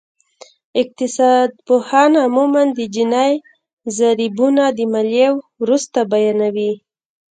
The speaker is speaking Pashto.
اقتصادپوهان عموماً د جیني ضریبونه د ماليې وروسته بیانوي